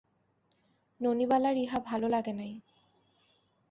ননীবালার ইহা ভালো লাগে নাই।